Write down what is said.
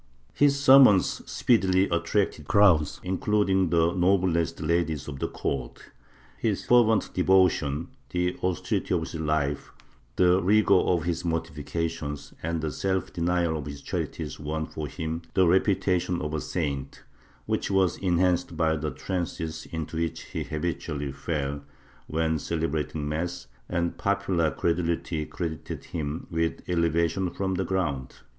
His sermons speedily attracted crowds, including the noblest ladies of the court; his fervent devotion, the austerity of his life, the rigor of his mortifications and the self denial of his charities won for him the reputation of a saint, which was enhanced by the trances into which he hal^itually fell when celebrating mass, and popular credulity credited him with elevation from the ground.